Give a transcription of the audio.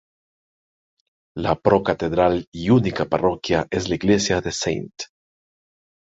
La procatedral y única parroquia es la iglesia de St.